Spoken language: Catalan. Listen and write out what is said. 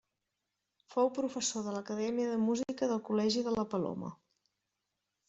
Fou professor de l'Acadèmia de Música del Col·legi de la Paloma.